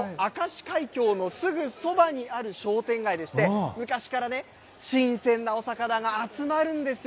明石海峡のすぐそばにある商店街でして、昔から新鮮なお魚が集まるんですよ。